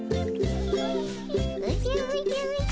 おじゃおじゃおじゃ。